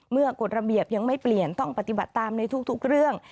กฎระเบียบยังไม่เปลี่ยนต้องปฏิบัติตามในทุกเรื่อง